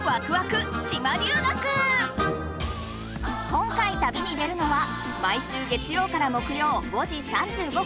今回たびに出るのは毎週月曜から木曜５時３５分